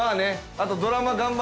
あと